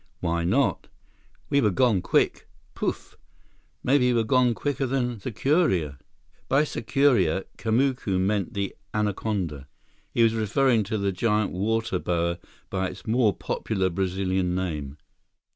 "Why not? We were gone quick—pouf! Maybe we were gone quicker than sucuria." By "sucuria" Kamuka meant the anaconda. He was referring to the giant water boa by its more popular Brazilian name.